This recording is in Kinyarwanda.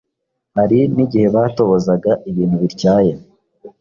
Hari n’igihe batobozaga ibintu bityaye